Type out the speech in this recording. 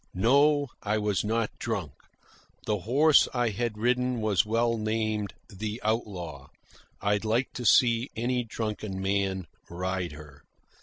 (No; I was not drunk. The horse I had ridden was well named "The Outlaw." I'd like to see any drunken man ride her.)